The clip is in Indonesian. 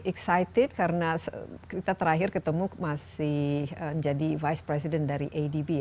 excited karena kita terakhir ketemu masih menjadi vice president dari adb